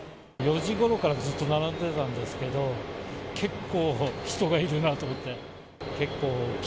４時ごろからずっと並んでたんですけど、結構、人がいるなと思って。